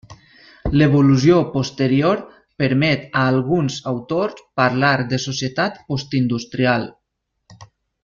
L'evolució posterior permet a alguns autors parlar de societat postindustrial.